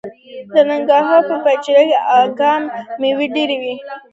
د ننګرهار په پچیر اګام کې د تالک نښې دي.